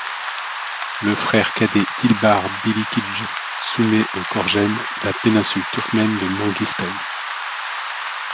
Le frère cadet d'Ilbars, Bilikidj, soumet au Khorezm la péninsule turkmène de Manguistaou.